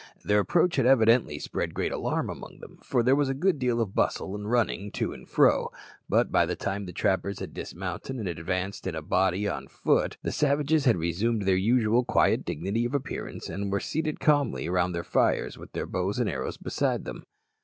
Their approach had evidently spread great alarm among them, for there was a good deal of bustle and running to and fro; but by the time the trappers had dismounted and advanced in a body on foot, the savages had resumed their usual quiet dignity of appearance, and were seated calmly round their fires with their bows and arrows beside them.